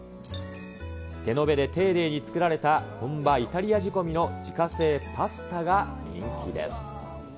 手延べで丁寧に作られた本場、イタリア仕込みの自家製パスタが人気です。